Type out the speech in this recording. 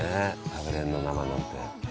食べれるの生のって。